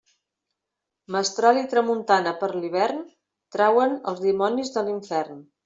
Mestral i tramuntana per l'hivern trauen els dimonis de l'infern.